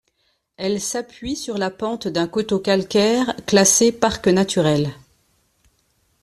Elle s'appuie sur la pente d'un coteau calcaire classé parc naturel.